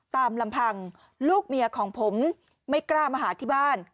ตามลำพังลูกเมียของผมไม่กล้ามาหาที่บ้าน